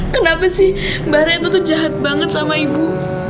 kenapa sih mbak jahat banget sama ibu